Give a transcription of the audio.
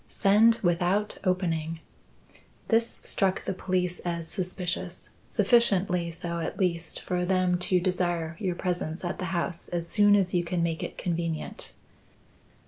Send without opening. This struck the police as suspicious; sufficiently so, at least, for them to desire your presence at the house as soon as you can make it convenient."